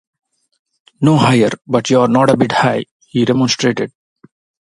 “No higher!” “But you’re not a bit high,” he remonstrated.